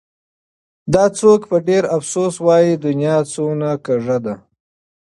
دا څوک په ډېر افسوس وايي : دنيا څونه کږه ده